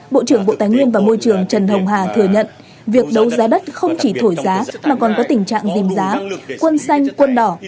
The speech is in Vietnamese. bộ trưởng bộ tài nguyên và môi trường trần hồng hà thừa nhận việc đấu giá đất không chỉ thổi giá mà còn có tình trạng dềm giá quân xanh quân đỏ